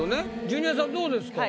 ジュニアさんどうですか？